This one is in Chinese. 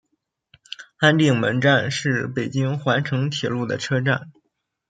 安定门站是北京环城铁路的车站。